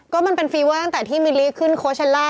ก็มันเป็นฟีเวอร์ตั้งแต่ที่มิลลิขึ้นโคเชลล่า